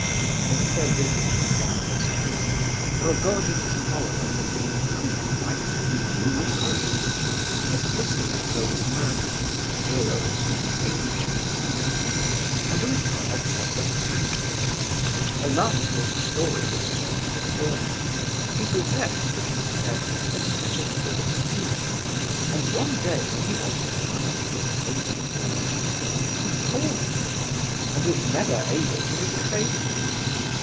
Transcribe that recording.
Since their visit to Gania's home, Rogojin's followers had been increased by two new recruits—a dissolute old man, the hero of some ancient scandal, and a retired sub lieutenant. A laughable story was told of the former. He possessed, it was said, a set of false teeth, and one day when he wanted money for a drinking orgy, he pawned them, and was never able to reclaim them!